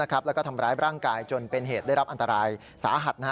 แล้วก็ทำร้ายร่างกายจนเป็นเหตุได้รับอันตรายสาหัส